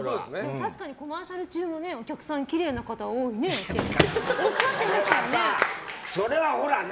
確かに、コマーシャル中もお客さんきれいな方多いねっておっしゃってましたね。